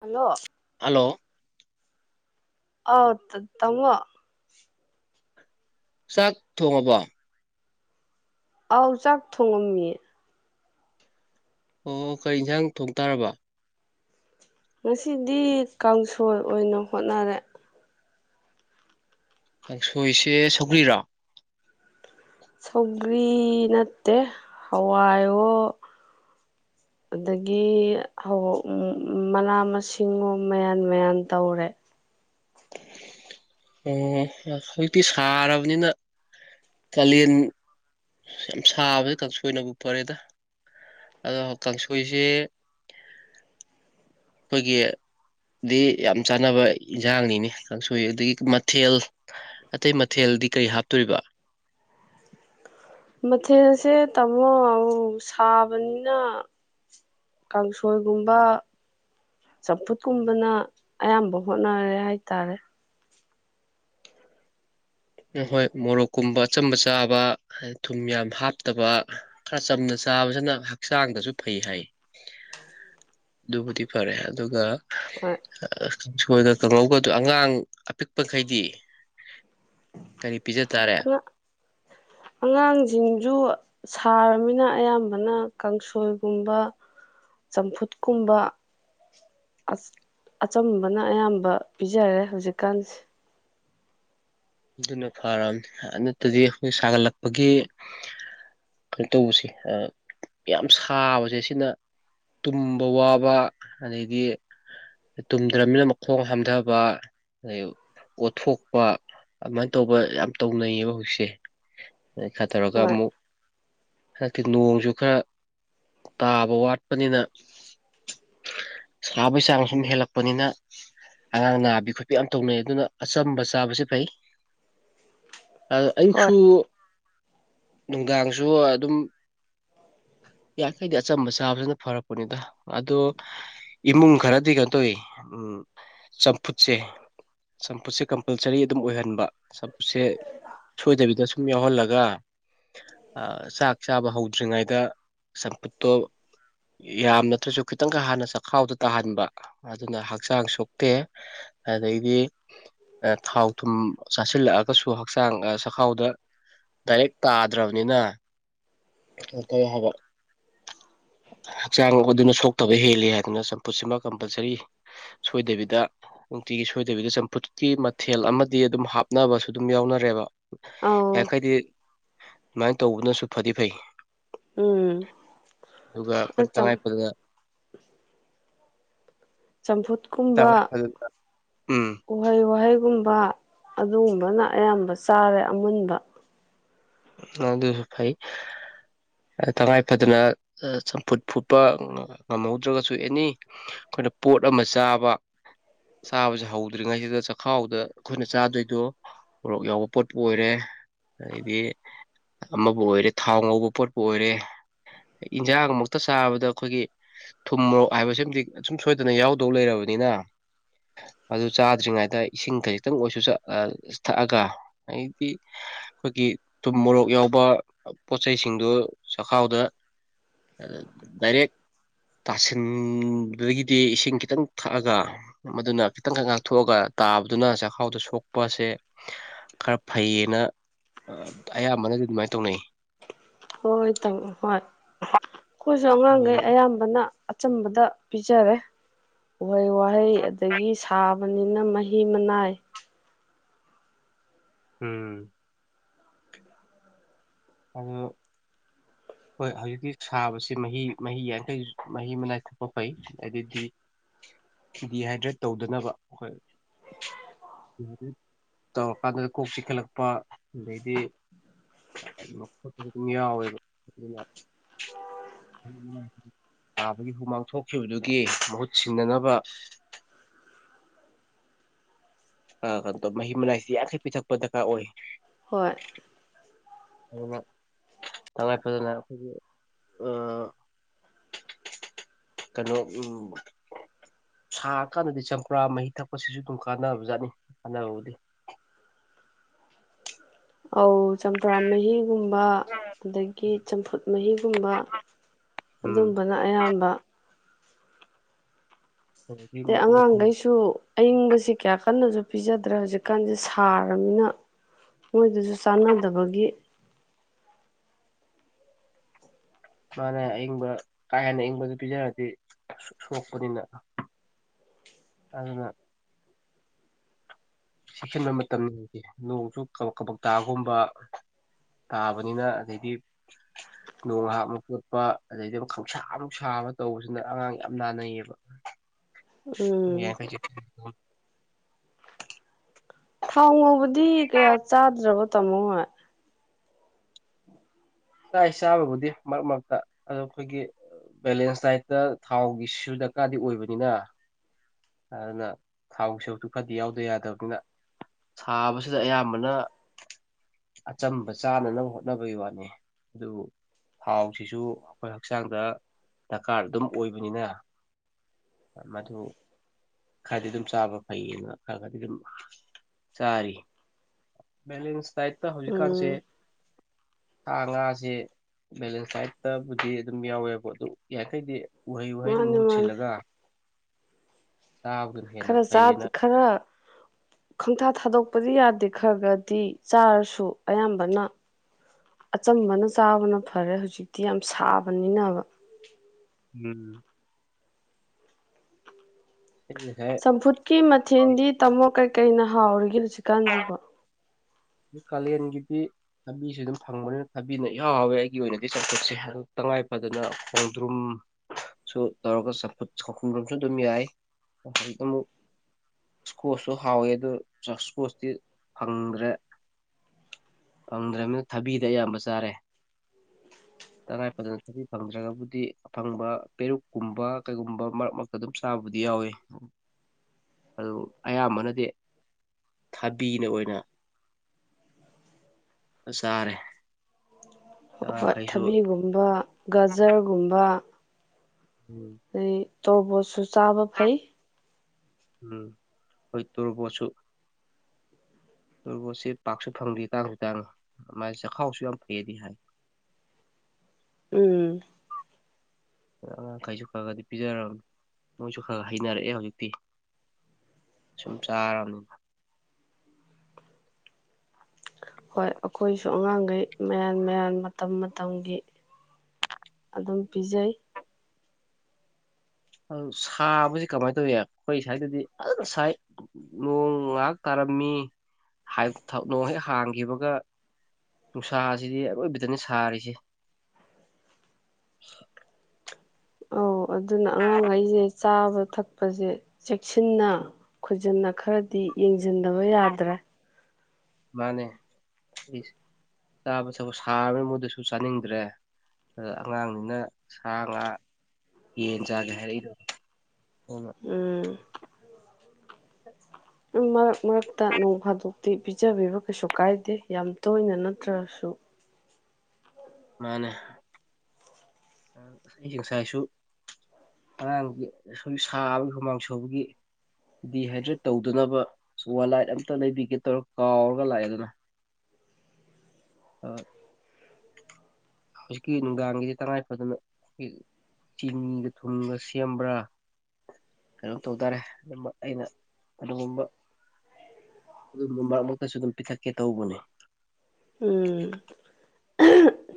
Hello hello ꯑꯧ ꯇꯥꯃꯣ ꯆꯥꯛ ꯊꯣꯡꯉꯕꯣ ꯑꯥꯎ ꯆꯥꯛ ꯊꯣꯡꯉꯝꯃꯤꯌꯦ ꯑꯣ ꯀꯔꯤ ꯌꯦꯟꯁꯥꯡ ꯊꯣꯡ ꯇꯥꯔꯕ ꯉꯁꯤꯗꯤ ꯀꯥꯡꯁꯣꯏ ꯑꯣꯏꯅ ꯍꯣꯠꯅꯔꯦ ꯀꯥꯡꯁꯣꯏꯁꯦ ꯁꯧꯒ꯭ꯔꯤꯔꯣ ꯁꯧꯒ꯭ꯔꯤ ꯅꯠꯇꯦ ꯍꯋꯥꯏꯌꯣ ꯑꯗꯒꯤ ꯃꯅꯥ ꯃꯁꯤꯡꯣ ꯃꯌꯥꯟ ꯃꯌꯥꯟ ꯇꯧꯔꯦ ꯑꯣ ꯍꯧꯖꯤꯛꯇꯤ ꯁꯥꯔꯥꯕꯅꯤꯅ ꯀꯥꯂꯦꯟ ꯌꯥꯝ ꯁꯥꯕꯁ ꯀꯥꯡꯁꯣꯏꯅꯕꯨ ꯐꯔꯦꯗ ꯑꯗꯣ ꯀꯥꯡꯁꯣꯏꯁꯦ ꯑꯩꯈꯣꯏꯒꯤ ꯗꯤ ꯌꯥꯝ ꯆꯥꯅꯕ ꯏꯟꯁꯥꯡꯅꯤꯅꯦ ꯀꯥꯡꯁꯣꯏ ꯑꯗꯒꯤ ꯃꯊꯦꯜ ꯑꯇꯩ ꯃꯊꯦꯜꯗꯤ ꯀꯔꯤ ꯍꯥꯞꯇꯣꯔꯤꯕ ꯃꯊꯦꯜꯁꯦ ꯇꯥꯃꯣ ꯁꯥꯕꯅꯤꯅ ꯀꯥꯡꯁꯣꯏꯒꯨꯝꯕ ꯆꯝꯐꯨꯠꯀꯨꯝꯕꯅ ꯑꯌꯥꯝꯕꯅ ꯍꯣꯠꯅꯔꯦ ꯍꯥꯏꯇꯥꯔꯦ ꯍꯣꯏ ꯃꯣꯔꯣꯛꯀꯨꯝꯕ ꯑꯆꯝꯕ ꯆꯥꯕ ꯊꯨꯝ ꯌꯥꯝ ꯍꯥꯞꯇꯕ ꯈꯔ ꯆꯝꯅ ꯆꯥꯕꯁꯤꯅ ꯍꯛꯆꯥꯡꯗꯁꯨ ꯐꯩ ꯍꯥꯏ ꯑꯗꯨꯕꯨꯗꯤ ꯐꯔꯦ ꯑꯗꯨꯒ ꯍꯣꯏ ꯑ ꯀꯥꯡꯁꯣꯏꯒ ꯀꯪꯍꯧꯒꯗꯣ ꯑꯉꯥꯡ ꯑꯄꯤꯛꯄꯈꯩꯗꯤ ꯀꯔꯤ ꯄꯤꯖ ꯇꯥꯔꯦ ꯑꯉꯥꯡꯁꯤꯡꯁꯨ ꯁꯥꯔꯕꯃꯤꯅ ꯑꯌꯥꯝꯕꯅ ꯀꯥꯡꯁꯣꯏꯒꯨꯝꯕ ꯆꯝꯐꯨꯠꯀꯨꯝꯕ ꯑꯆꯝꯕꯅ ꯑꯌꯥꯝꯕ ꯄꯤꯖꯔꯦ ꯍꯧꯖꯤꯛꯀꯥꯟꯁꯦ ꯑꯗꯨꯅ ꯐꯔꯃꯤ ꯑꯗꯨ ꯅꯠꯇꯗꯤ ꯑꯩꯈꯣꯏ ꯁꯥꯒꯠꯂꯛꯄꯒꯤ ꯀꯩꯅꯣ ꯇꯧꯕꯁꯦ ꯌꯥꯝ ꯁꯥꯕꯁꯦ ꯁꯤꯅ ꯇꯨꯝꯕ ꯋꯥꯕ ꯑꯗꯩꯗꯤ ꯇꯨꯝꯗ꯭ꯔꯅꯤꯅ ꯃꯈꯣꯡ ꯍꯥꯝꯊꯕ ꯑꯗꯩ ꯑꯣꯠꯊꯣꯛꯄ ꯑꯗꯨꯃꯥꯏꯅ ꯇꯧꯕ ꯌꯥꯝ ꯇꯧꯅꯩꯌꯦꯕ ꯍꯧꯖꯤꯛꯁꯦ ꯈꯥ ꯇꯧꯔꯒ ꯍꯣꯏ ꯑꯃꯨꯛ ꯍꯟꯗꯛꯇꯤ ꯅꯣꯡꯁꯨ ꯈꯔ ꯇꯥꯕ ꯋꯥꯠꯄꯅꯤꯅ ꯁꯥꯕꯒꯤ ꯆꯥꯡ ꯁꯨꯝ ꯍꯦꯜꯂꯛꯄꯅꯤꯅ ꯑꯉꯥꯡ ꯅꯥꯕꯤ ꯈꯣꯠꯄꯤ ꯌꯥꯝ ꯇꯧꯅꯩ ꯑꯗꯨꯅ ꯑꯆꯝꯕ ꯆꯥꯕꯁꯤ ꯐꯩ ꯑ ꯍꯣꯏ ꯑꯌꯨꯛꯁꯨ ꯅꯨꯡꯗꯥꯡꯁꯨ ꯑꯗꯨꯝ ꯌꯥꯔꯤꯈꯩꯗꯤ ꯑꯆꯝꯕ ꯆꯥꯕꯖꯤꯅ ꯐꯔꯛꯄꯅꯤꯗ ꯑꯗꯣ ꯏꯃꯨꯡ ꯈꯔꯗꯤ ꯀꯩꯅꯣ ꯇꯧꯋꯤ ꯆꯝꯐꯨꯠꯁꯦ ꯆꯝꯐꯨꯠꯁꯦ ꯀꯝꯄꯜꯁꯔꯤ ꯑꯗꯨꯝ ꯑꯣꯏꯍꯟꯕ ꯆꯝꯐꯨꯠꯁꯦ ꯁꯣꯏꯗꯕꯤꯗ ꯁꯨꯝ ꯌꯥꯎꯍꯜꯂꯒ ꯆꯥꯛ ꯆꯥꯕ ꯍꯧꯗ꯭ꯔꯤꯉꯩꯗ ꯆꯝꯐꯨꯠꯇꯣ ꯌꯥꯝ ꯅꯠꯇ꯭ꯔꯁꯨ ꯈꯤꯇꯪꯒ ꯍꯥꯟꯅ ꯆꯥꯛꯈꯥꯎꯗ ꯇꯥꯍꯟꯕ ꯑꯗꯨꯅ ꯍꯛꯆꯥꯡ ꯁꯣꯛꯇꯦ ꯑꯗꯩꯗꯤ ꯊꯥꯎ ꯊꯨꯝ ꯆꯥꯁꯤꯜꯂꯛꯑꯒꯁꯨ ꯍꯛꯆꯥꯡ ꯆꯈꯥꯎꯗ ꯗꯥꯏꯔꯦꯛ ꯇꯥꯗ꯭ꯔꯕꯅꯤꯅ ꯀꯩꯅꯣ ꯇꯧꯋꯦ ꯍꯥꯏꯕ ꯍꯛꯆꯥꯡ ꯑꯗꯨꯅ ꯁꯣꯛꯇꯕ ꯍꯦꯜꯂꯤ ꯍꯥꯏꯗꯅ ꯆꯝꯐꯨꯠꯁꯤꯃ ꯀꯝꯄꯜꯁꯔꯤ ꯁꯣꯏꯗꯕꯤꯗ ꯅꯨꯡꯇꯤꯒꯤ ꯁꯣꯏꯗꯕꯤꯗ ꯆꯝꯐꯨꯠꯀꯤ ꯃꯊꯦꯜ ꯑꯃꯗꯤ ꯑꯗꯨꯝ ꯍꯥꯞꯅꯕꯁꯨ ꯑꯗꯨꯝ ꯌꯥꯎꯅꯔꯦꯕ ꯑꯧ ꯌꯥꯔꯤꯈꯩꯗꯤ ꯑꯗꯨꯃꯥꯏꯅ ꯇꯧꯕꯅꯁꯨ ꯐꯗꯤ ꯐꯩ ꯎꯝ ꯑꯗꯨꯒ ꯑꯩꯈꯣꯏꯅ ꯑꯆꯥꯝ ꯇꯉꯥꯏ ꯐꯗꯅ ꯆꯝꯐꯨꯠꯀꯨꯝꯕ ꯇꯉꯥꯏ ꯐꯗꯅ ꯎꯝ ꯎꯍꯩ ꯋꯥꯍꯩꯒꯨꯝ ꯋꯥ ꯑꯗꯨꯒꯨꯝꯕꯅ ꯑꯌꯥꯝꯕ ꯆꯥꯔꯦ ꯑꯃꯨꯟꯕ ꯑꯗꯨꯁꯨ ꯐꯩ ꯇꯉꯥꯏ ꯐꯗꯅ ꯆꯝꯐꯨꯠ ꯐꯨꯠꯄ ꯉꯝꯍꯧꯗ꯭ꯔꯒꯁꯨ ꯑꯦꯅꯤ ꯑꯩꯈꯣꯏꯅ ꯄꯣꯠ ꯑꯃ ꯆꯥꯕ ꯆꯥꯕꯁꯦ ꯍꯧꯗ꯭ꯔꯤꯉꯩꯁꯤꯗ ꯆꯈꯥꯎꯗ ꯑꯩꯈꯣꯏꯅ ꯆꯥꯗꯣꯏꯗꯣ ꯃꯣꯔꯣꯛ ꯌꯥꯎꯕ ꯄꯣꯠꯄꯨ ꯑꯣꯏꯔꯦ ꯑꯗꯩꯗꯤ ꯑꯃꯕꯨ ꯑꯣꯏꯔꯦ ꯊꯥꯎ ꯉꯧꯕ ꯄꯣꯠꯄꯨ ꯑꯣꯏꯔꯦ ꯏꯟꯖꯥꯡ ꯃꯛꯇ ꯆꯥꯕꯗ ꯑꯩꯈꯣꯏꯒꯤ ꯊꯨꯝ ꯃꯣꯔꯣꯛ ꯍꯥꯏꯕꯁꯤꯃꯗꯤ ꯁꯨꯝ ꯁꯣꯏꯗꯅ ꯌꯥꯎꯗꯧ ꯂꯩꯔꯕꯅꯤꯅ ꯑꯗꯨ ꯆꯥꯗ꯭ꯔꯤꯉꯩꯗ ꯏꯁꯤꯡ ꯈꯖꯤꯛꯇꯪ ꯑꯣꯏꯁꯨ ꯊꯛꯑꯒ ꯍꯥꯏꯗꯤ ꯑꯩꯈꯣꯏꯒꯤ ꯊꯨꯝ ꯃꯣꯔꯣꯛ ꯌꯥꯎꯕ ꯄꯣꯠꯆꯩꯁꯤꯡꯗꯨ ꯆꯈꯥꯎꯗ ꯗꯥꯏꯔꯦꯛ ꯇꯥꯁꯤꯟꯕꯗꯒꯤꯗꯤ ꯏꯁꯤꯡ ꯈꯤꯇꯪ ꯊꯛꯑꯒ ꯃꯗꯨꯅ ꯈꯤꯇꯪ ꯉꯥꯛꯊꯣꯛꯑꯒ ꯇꯥꯕꯗꯨꯅ ꯆꯥꯛꯈꯥꯎꯗ ꯁꯣꯛꯄꯁꯦ ꯈꯔ ꯐꯩꯌꯦꯅ ꯑꯌꯥꯝꯕꯅꯗꯤ ꯑꯗꯨꯃꯥꯏꯅ ꯇꯧꯅꯩꯌꯦ ꯍꯣꯏ ꯇꯧ ꯍꯣꯏ ꯑꯩꯈꯣꯏꯁꯨ ꯑꯉꯥꯡꯈꯩ ꯑꯌꯥꯝꯕꯅ ꯑꯆꯝꯕꯗ ꯄꯤꯖꯔꯦ ꯎꯍꯩ ꯋꯥꯍꯩ ꯑꯗꯒꯤ ꯁꯥꯕꯅꯤꯅ ꯃꯍꯤ ꯃꯅꯥꯏ ꯎꯝ ꯑꯗꯨ ꯍꯣꯏ ꯍꯧꯖꯤꯛꯇꯤ ꯁꯥꯕꯁꯤ ꯃꯍꯤ ꯃꯍꯤ ꯌꯥꯡꯈꯩ ꯃꯍꯤ ꯃꯅꯥꯏ ꯊꯛꯄ ꯐꯩ ꯑꯗꯩꯗꯤ ꯗꯤꯍꯥꯏꯗ꯭ꯔꯦꯠ ꯇꯧꯗꯅꯕ ꯑꯩꯈꯣꯏ ꯗꯤꯍꯥꯏꯗ꯭ꯔꯦꯠ ꯇꯧꯔꯀꯥꯟꯗ ꯀꯣꯛ ꯆꯤꯈꯠꯂꯛꯄ ꯑꯗꯩꯗꯤ ꯑꯗꯨ ꯈꯣꯠꯄꯁꯨ ꯑꯗꯨꯝ ꯌꯥꯎꯋꯦꯕ ꯑꯗꯨꯅ ꯁꯥꯕꯒꯤ ꯍꯨꯃꯥꯡ ꯊꯣꯛꯈꯤꯕꯗꯨꯒꯤ ꯃꯍꯨꯠ ꯁꯤꯟꯅꯅꯕ ꯑ ꯀꯅꯣꯇꯧ ꯃꯍꯤ ꯃꯅꯥꯏꯁꯤ ꯌꯥꯔꯤꯈꯩ ꯄꯤꯊꯛꯄ ꯗꯔꯀꯥꯔ ꯑꯣꯏ꯫ ꯍꯣꯏ ꯑꯗꯨꯅ ꯇꯉꯥꯏ ꯐꯗꯅ ꯑꯩꯈꯣꯏꯒꯤ ꯑ ꯀꯩꯅꯣ ꯁꯥꯀꯥꯟꯗꯗꯤ ꯆꯝꯄ꯭ꯔꯥ ꯃꯍꯤ ꯊꯛꯄꯁꯤꯁꯨ ꯑꯗꯨꯝ ꯀꯥꯟꯅꯕꯖꯥꯠꯅꯤ ꯀꯥꯟꯅꯕꯕꯨꯗꯤ꯫ ꯑꯧ꯫ ꯆꯝꯄ꯭ꯔꯥ ꯃꯍꯤꯒꯨꯝꯕ ꯑꯗꯒꯤ ꯆꯝꯐꯨꯠ ꯃꯍꯤꯒꯨꯝꯕ ꯎꯝ ꯑꯗꯨꯝꯕꯅ ꯑꯌꯥꯝꯕ꯫ ꯑꯗꯒꯤ ꯑꯗꯩ ꯑꯉꯥꯡꯒꯩꯁꯨ ꯑꯏꯪꯕꯁꯤ ꯀꯌꯥ ꯀꯟꯅꯁꯨ꯫ ꯄꯤꯖꯗ꯭ꯔꯦ ꯍꯧꯖꯤꯛꯀꯥꯟꯗꯤ ꯁꯥꯔꯝꯅꯤꯅ ꯃꯣꯏꯗꯁꯨ ꯆꯥꯟꯅꯗꯕꯒꯤ꯫ ꯃꯥꯅꯦ ꯑꯏꯪꯕ ꯀꯥ ꯍꯦꯟꯅ ꯏꯪꯕꯗꯨ ꯄꯤꯖꯔꯗꯤ ꯁꯣꯛꯄꯅꯤꯅ ꯑꯗꯨꯅ꯫ ꯆꯦꯛꯁꯤꯟꯕ ꯃꯇꯝ ꯅꯣꯡꯁꯨ ꯀꯕꯛ ꯀꯕꯛ ꯇꯥꯒꯨꯝꯕ ꯇꯥꯕꯅꯤꯅ ꯑꯗꯩꯗꯤ ꯅꯣꯡ ꯍꯥꯞꯕ ꯈꯣꯠꯄ ꯑꯗꯩꯗꯤ ꯑꯃꯨꯛ ꯈꯪꯁꯥ ꯃꯨꯛꯁꯥꯕ ꯇꯧꯕꯁꯤꯅ ꯑꯉꯥꯡ ꯌꯥꯝ ꯅꯥꯟꯅꯩꯌꯦꯕ꯫ ꯎꯝ꯫ [unintelligible] ꯊꯥꯎ ꯉꯧꯕꯗꯤ ꯀꯌꯥ ꯆꯥꯗ꯭ꯔꯕ ꯇꯥꯃꯣ ꯍꯣꯏ꯫ ꯆꯥꯏ ꯆꯥꯕꯕꯨꯗꯤ ꯃꯔꯛ ꯃꯔꯛꯇ ꯑꯗꯣ ꯑꯩꯈꯣꯏꯒꯤ ꯕꯦꯂꯦꯟꯁ ꯗꯥꯏꯠꯇ ꯊꯥꯎꯒꯤꯁꯨ ꯗꯔꯀꯥꯔꯗꯤ ꯑꯣꯏꯕꯅꯤꯅ꯫ ꯑꯗꯨꯅ ꯊꯥꯎꯁꯑꯨꯛꯇꯨ ꯈꯔꯗꯤ ꯌꯥꯎꯗ ꯌꯥꯗꯕꯅꯤꯅ ꯁꯥꯕꯁꯤꯗ ꯑꯌꯥꯝꯕꯅ ꯑꯆꯝꯕ ꯆꯥꯅꯅꯕ ꯍꯣꯠꯅꯕꯩ ꯋꯥꯅꯤ ꯑꯗꯨꯕꯨ ꯊꯥꯎꯁꯤꯁꯨ ꯑꯩꯈꯣꯏ ꯍꯛꯆꯥꯡꯗ ꯗꯔꯀꯥꯔ ꯗꯨꯝ ꯑꯣꯏꯕꯅꯤꯅ ꯃꯗꯨ꯫ ꯈꯔꯗꯤ ꯑꯗꯨꯝ ꯆꯥꯕ ꯐꯩꯌꯦꯅ ꯈꯔ ꯈꯔꯗꯤ ꯑꯗꯨꯝ ꯆꯥꯔꯤ ꯕꯦꯂꯦꯟꯁ ꯗꯥꯏꯠꯇ ꯍꯧꯖꯤꯛꯀꯥꯟꯁꯦ ꯎꯝ ꯁꯥ ꯉꯥꯁꯦ ꯕꯦꯂꯦꯟꯁ ꯗꯥꯏꯠꯇꯕꯨꯗꯤ ꯑꯗꯨꯝ ꯌꯥꯎꯋꯦꯕꯨ ꯑꯗꯨꯝ ꯌꯥꯔꯤꯈꯩꯗꯤ꯫ ꯎꯍꯩ ꯋꯥꯍꯩꯅ ꯃꯥꯅꯤ ꯃꯍꯨꯠ ꯃꯥꯅꯤ ꯁꯤꯜꯂꯒ꯫ ꯆꯥꯕꯗꯨꯅ ꯍꯦꯟꯅ ꯈꯔ ꯆꯥ ꯐꯩꯌꯦꯅ ꯈꯔ ꯈꯪꯊꯥ ꯊꯥꯗꯣꯛ꯫ ꯊꯛꯄꯗꯤ ꯌꯥꯗꯦ ꯈꯔꯒꯗꯤ ꯆꯥꯔꯁꯨ ꯑꯌꯥꯝꯕꯅ ꯑꯆꯝꯕꯅ ꯆꯥꯕꯅ ꯐꯔꯦ ꯍꯧꯖꯤꯛꯇꯤ ꯌꯥꯝ ꯁꯥꯕꯅꯤꯅꯕ꯫ [unintelligible] ꯑꯩ ꯉꯁꯥꯏ ꯆꯝꯐꯨꯠꯀꯤ ꯃꯊꯦꯜꯗꯤ ꯇꯥꯃꯣ ꯀꯩ ꯀꯩꯅ ꯍꯥꯎꯔꯤꯒꯦ ꯍꯧꯖꯤꯛꯀꯥꯟꯁꯤꯕꯣ꯫ ꯀꯥꯂꯦꯟꯒꯤꯗꯤ ꯊꯕꯤꯁꯦ ꯑꯗꯨꯝ ꯐꯪꯕꯅꯤꯅ ꯊꯕꯤꯅ ꯌꯥꯥꯎꯋꯦ ꯑꯩꯒꯤ ꯑꯣꯏꯅꯗꯤ ꯆꯝꯐꯨꯠꯁꯦ ꯇꯉꯥꯏ ꯐꯗꯅ ꯈꯣꯡꯗ꯭ꯔꯨꯝꯁꯨ ꯇꯧꯔꯒ ꯆꯝꯐꯨꯠ ꯆꯈꯨꯝꯗ꯭ꯔꯨꯝꯁꯨ ꯑꯗꯨꯝ ꯌꯥꯏ ꯍꯧꯖꯤꯛ ꯑꯃꯨꯛ ꯁ꯭ꯀꯣꯁꯁꯨ ꯍꯥꯎꯋꯦ ꯑꯗꯨ ꯁ꯭ꯀꯣꯁꯇꯤ ꯐꯪꯗ꯭ꯔꯦ꯫ ꯐꯪꯗ꯭ꯔꯝꯅꯤꯅ ꯊꯕꯤꯗ ꯑꯌꯥꯝꯕ ꯆꯥꯔꯦ ꯇꯉꯥꯏ ꯐꯗꯅ ꯊꯕꯤ ꯐꯪꯗ꯭ꯔꯒꯕꯨꯗꯤ ꯑꯐꯪꯕ ꯄꯦꯔꯨꯛꯀꯨꯝꯕ ꯀꯩꯒꯨꯝꯕ ꯃꯔꯛ ꯃꯔꯛꯇ ꯑꯗꯨꯝ ꯆꯥꯕꯕꯨꯗꯤ ꯌꯥꯎꯋꯤ ꯑꯗꯨ ꯑꯌꯥꯝꯕꯅꯗꯤ ꯊꯕꯤꯅ ꯑꯣꯏꯅ꯫ ꯆꯥꯔꯦ꯫ ꯀꯩꯁꯨ ꯊꯕꯤꯒꯨꯝꯕ꯫ ꯒꯥꯖ꯭ꯔꯒꯨꯝꯕ꯫ ꯎꯝ꯫ ꯇꯣꯔꯕꯣꯠꯁꯨ ꯆꯥꯕ ꯐꯩ꯫ ꯎꯝ ꯍꯣꯏ ꯇꯣꯔꯕꯣꯠꯁꯨ꯫ ꯔꯕꯣꯠꯁꯦ ꯄꯥꯛꯁꯨ ꯐꯪꯗꯦ ꯇꯥꯡꯁꯨ ꯇꯥꯡꯉꯦ ꯃꯥꯥꯁꯦ ꯆꯈꯥꯎꯁꯨ ꯌꯥꯝ ꯐꯩꯌꯦꯗꯤ ꯍꯥꯏ꯫ ꯎꯝ꯫ ꯑ ꯑꯉꯥꯡꯈꯩꯁꯨ ꯈꯔ ꯈꯗꯤ ꯄꯤꯖꯔꯕꯅꯤ ꯃꯣꯏꯁꯨ ꯈꯔ ꯈ ꯍꯩꯅꯔꯛꯑꯦ ꯍꯧꯖꯤꯛꯇꯤ ꯁꯨꯝ ꯆꯥꯔꯕꯅꯤꯅ꯫ ꯍꯣꯏ ꯑꯩꯈꯣꯏꯁꯨ ꯑꯉꯥꯡꯈꯩ ꯃꯌꯥꯟ ꯃꯌꯥꯟ ꯃꯇꯝ ꯃꯇꯝꯒꯤ ꯑꯗꯨꯝ ꯄꯤꯖꯩ꯫ ꯑꯗꯨ ꯁꯥꯕꯁꯤ ꯀꯃꯥꯏꯅ ꯇꯧꯏ ꯑꯩꯈꯣꯏ ꯁ꯭ꯋꯥꯏꯗꯗꯤ ꯐꯖꯅ ꯁꯥꯏ ꯅꯣꯡ ꯉꯍꯥꯛ ꯇꯥꯔꯝꯃꯤ ꯅꯣꯡ ꯍꯦꯛ ꯍꯥꯡꯈꯤꯕꯒ ꯅꯨꯡꯁꯥꯁꯤꯗꯤ ꯑꯔꯣꯏꯕꯤꯗꯅ ꯁꯥꯔꯤꯁꯤ꯫ ꯑꯧ ꯑꯗꯨꯅ ꯑꯉꯥꯡꯈꯩꯁꯦ꯫ ꯆꯥꯕ ꯊꯛꯄꯁꯦ ꯆꯦꯛꯁꯤꯟꯅ ꯈꯣꯏꯖꯤꯟꯅ ꯈꯔꯗꯤ ꯌꯦꯡꯖꯤꯟ ꯖꯤꯟꯗꯕ ꯌꯥꯗ꯭ꯔꯦ꯫ ꯃꯥꯅꯦ ꯑꯩ ꯆꯥꯕ ꯊꯛꯄ ꯁꯥꯕꯅ ꯃꯣꯏꯗꯁꯨ ꯆꯥꯅꯤꯡꯗ꯭ꯔꯦ ꯑꯗ ꯑꯉꯥꯡꯅꯤꯅ ꯁꯥ ꯉꯥ ꯌꯦꯟ ꯆꯥꯒꯦ ꯍꯥꯏꯔꯛꯏꯗ꯫ ꯎꯝ꯫ ꯎꯝ ꯃꯔꯛ ꯃꯔꯛꯇ ꯅꯣꯡ ꯐꯥꯗꯣꯛ ꯇꯤ ꯄꯤꯖꯕꯤꯕ ꯀꯩꯁꯨ ꯀꯥꯏꯗꯦ ꯌꯥꯝ ꯇꯣꯏꯅ ꯅꯠꯇ꯭ꯔꯁꯨ ꯃꯥꯅꯦ ꯑꯩꯖꯦ ꯉꯁꯥꯏꯁꯨ ꯑꯉꯥꯡꯒꯤ ꯑꯥ ꯍꯧꯖꯤꯛꯀꯤ ꯅꯨꯡꯗꯥꯡꯒꯤꯁꯦ ꯇꯉꯥꯏ ꯐꯗꯅ ꯑꯩ ꯆꯤꯅꯤ ꯎꯝ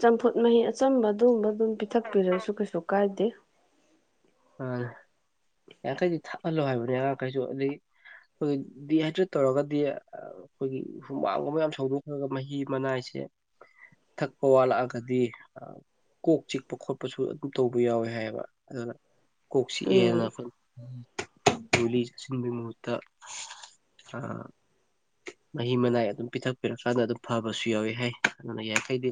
ꯆꯝꯐꯨꯠ ꯃꯍꯤ ꯑꯆꯝꯕ ꯑꯗꯨꯒꯨꯝꯕ ꯑꯗꯨꯝ ꯄꯤꯊꯛꯄꯤꯔꯁꯨ ꯀꯩꯁꯨ ꯀꯥꯏꯗꯦ ꯑꯥ ꯌꯥꯡꯈꯩꯗꯤ ꯊꯛꯍꯜꯂꯣ ꯍꯥꯏꯕꯅꯦ ꯑꯉꯥꯡꯈꯩꯁꯨ ꯑꯗꯩ ꯑꯩꯈꯣꯏꯒꯤ ꯗꯤꯍꯥꯏꯗ꯭ꯔꯦꯠ ꯇꯧꯔꯒꯗꯤ ꯑ ꯑꯩꯈꯣꯏꯒꯤ ꯀꯣꯛ ꯎꯝ ꯆꯤꯛꯑꯦꯅ ꯑꯈꯣ ꯨꯒꯨꯂꯤ ꯆꯥꯁꯤꯟꯕꯩ ꯃꯍꯨꯠꯇ ꯑꯑ ꯃꯍꯤ ꯃꯅꯥꯏ ꯑꯗꯨꯝ ꯄꯤꯊꯛꯄꯤꯔꯀꯥꯟꯗ ꯑꯗꯨꯝ ꯐꯕꯁꯨ ꯌꯥꯎꯋꯤ ꯍꯦ ꯑꯗꯨꯅ ꯌꯥꯔꯤꯈꯩꯗꯤ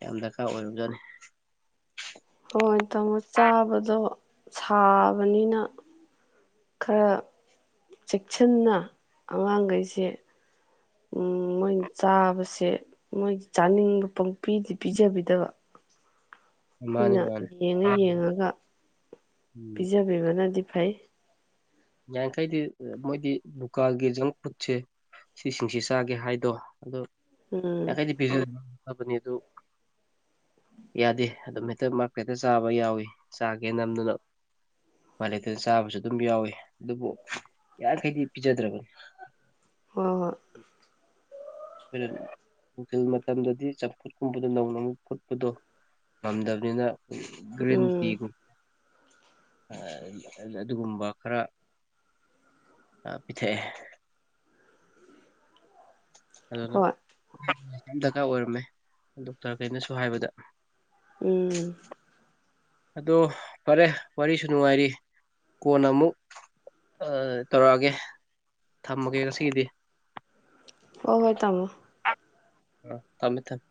ꯌꯥꯝ ꯗꯔꯀꯥꯔ ꯑꯣꯏꯔꯝꯖꯥꯠꯅꯤ ꯍꯣꯏ ꯇꯥꯃꯣ ꯆꯥꯕꯗꯣ ꯁꯥꯕꯅꯤꯅ ꯈꯔ ꯆꯦꯛꯁꯤꯟꯅ ꯑꯉꯥꯡꯒꯩꯁꯦ ꯎꯝ ꯃꯣꯏꯅ ꯆꯥꯕꯁꯦ ꯃꯣꯏꯒꯤ ꯆꯥꯅꯤꯡꯕ ꯄꯪꯄꯤꯗꯤ ꯄꯤꯖꯕꯤꯗꯕ ꯃꯥꯅꯤ ꯑꯩꯈꯣꯏꯅ ꯃꯥꯅꯤ ꯌꯦꯡꯉ ꯌꯦꯡꯉꯒ ꯎꯝ ꯄꯤꯖꯕꯤꯕꯅꯗꯤ ꯐꯩ ꯌꯥꯔꯤꯈꯩꯗꯤ ꯑ ꯃꯣꯏꯗꯤ ꯗꯨꯀꯥꯜꯒꯤ ꯖꯪ ꯐꯨꯗꯁꯦ ꯁꯤꯁꯤꯡꯁꯦ ꯆꯥꯒꯦ ꯍꯥꯏꯗꯣ ꯑꯗꯣ ꯎꯝ ꯌꯥꯈꯩꯗꯤ ꯄꯤꯖ ꯐꯕꯅꯤ ꯑꯗꯨ ꯌꯥꯗꯦ ꯑꯗꯨꯝ ꯍꯦꯛꯇ ꯃꯥꯔꯛꯇ ꯍꯦꯛꯇ ꯆꯥꯕ ꯌꯥꯎꯏ ꯆꯥꯒꯦ ꯅꯝꯗꯅ ꯎꯄꯥꯏ ꯂꯩꯇꯗꯅ ꯆꯥꯕꯁꯨ ꯑꯗꯨꯝ ꯌꯥꯎꯏ ꯑꯗꯨꯕꯨ ꯌꯥꯔꯤꯈꯩꯗꯤ ꯄꯤꯖꯗ꯭ꯔꯕꯅꯤ ꯍꯣꯏ ꯍꯣꯏ ꯑꯩꯈꯣꯏꯅ ꯅꯨꯡꯊꯤꯜ ꯃꯇꯝꯗꯗꯤ ꯆꯝꯐꯨꯠ ꯀꯨꯝꯕꯗꯣ ꯅꯧꯅ ꯑꯃꯨꯛ ꯐꯨꯠꯄꯗꯣ ꯉꯝꯗꯕꯅꯤꯅ ꯍꯣꯏ ꯒ꯭ꯔꯤꯟ ꯎꯝ ꯇꯤꯒꯨꯝ ꯑꯑ ꯑꯗ ꯑꯗꯨꯒꯨꯝꯕ ꯈꯔ ꯑ ꯄꯤꯊꯛꯑꯦ ꯑꯗꯨꯅ ꯍꯣꯏ ꯌꯥꯝ ꯗꯔꯀꯥꯔ ꯑꯣꯏꯔꯝꯃꯦ ꯗꯣꯛꯇꯔꯈꯩꯅꯁꯨ ꯍꯥꯏꯕꯗ ꯎꯝ ꯑꯗꯣ ꯐꯔꯦ ꯋꯥꯔꯤꯁꯨ ꯅꯨꯡꯉꯥꯏꯔꯤ ꯀꯣꯟꯅ ꯑꯃꯨꯛ ꯑ ꯇꯧꯔꯛꯑꯒꯦ ꯊꯝꯃꯒꯦ ꯉꯁꯤꯒꯤꯗꯤ ꯍꯣꯏ ꯍꯣꯏ ꯇꯥꯃꯣ ꯑ ꯊꯝꯃꯦ ꯊꯝꯃꯦ